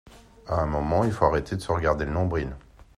À un moment, il faut arrêter de se regarder le nombril.